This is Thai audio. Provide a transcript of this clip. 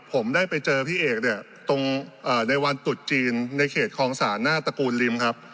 ผมได้ไปเจอพี่เอกเนี่ยตรงในวันตุดจีนในเขตคลองศาลหน้าตระกูลริมครับ